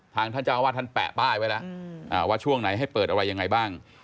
ท่านเจ้าอาวาสท่านแปะป้ายไว้แล้วว่าช่วงไหนให้เปิดอะไรยังไงบ้าง